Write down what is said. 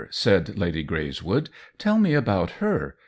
said Lady Greys wood; "tell me about her.